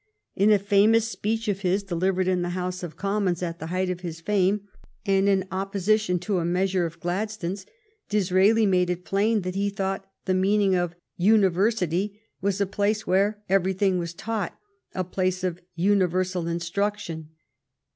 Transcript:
In a famous speech of his delivered in the House of GLADSTONE AND DISRAELI AS RIVALS 163 Commons at the height of his fame and in oppo sition to a measure of Gladstone's, Disraeli made it plain that he thought the meaning of "univer sity " was a place where everything was taught — a place of universal instruction.